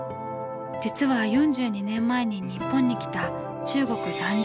実は４２年前に日本に来た中国残留邦人。